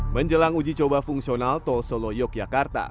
menjelang uji coba fungsional tol solo yogyakarta